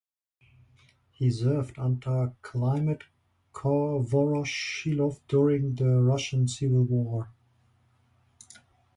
He served under Kliment Voroshilov during the Russian Civil War.